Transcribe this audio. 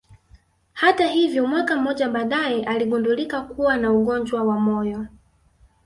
Hata hivyo mwaka mmoja baadaye aligundulika kuwa na ugonjwa wa moyo